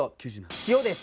塩です！